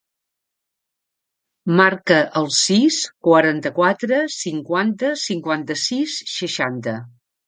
Marca el sis, quaranta-quatre, cinquanta, cinquanta-sis, seixanta.